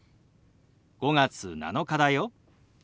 「５月７日だよ」。